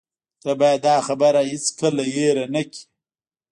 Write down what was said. ته باید دا خبره هیڅکله هیره نه کړې